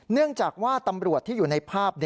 เนื่องจากว่าตำรวจที่อยู่ในภาพ